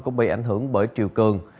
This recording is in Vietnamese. cũng bị ảnh hưởng bởi triều cường